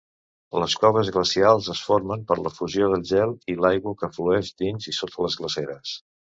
Les coves glacials es formen per la fusió del gel i l'aigua que flueix dins i sota les glaceres.